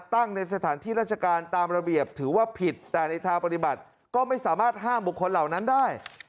ในสถานที่ราชการตามระเบียบถือว่าผิดแต่ในทางปฏิบัติก็ไม่สามารถห้ามบุคคลเหล่านั้นได้